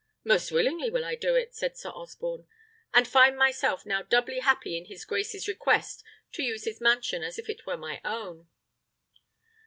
"Most willingly will I do it," said Sir Osborne, "and find myself now doubly happy in his grace's request, to use his mansion as if it were my own."